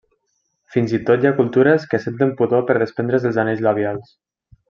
Fins i tot hi ha cultures que senten pudor per desprendre's dels anells labials.